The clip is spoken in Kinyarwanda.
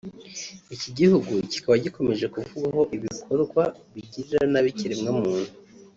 iki gihugu kikaba gikomeje kuvugwamo ibikorwa bigirira nabi ikiremwa muntu